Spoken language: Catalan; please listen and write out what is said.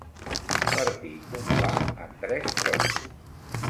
Partir un pa en tres trossos.